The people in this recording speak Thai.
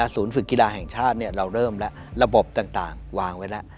ฝึกกีฬาแห่งชาติเราเริ่มแล้วระบบต่างวางไว้แล้ว